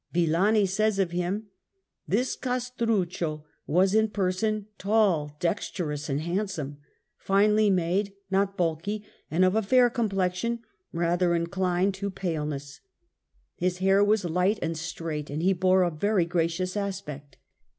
Villani says of him: "This Castruccio was in person tall, dexterous and handsome ; finely made, not bulky, and of a fair complexion, rather inclined to pale ness : his hair was light and straight and he bore a very gracious aspect.